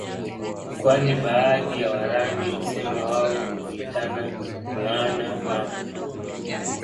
kwani baadhi ya Warangi husema wao huitana mwaana maka